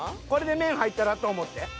これで麺入ったらと思って。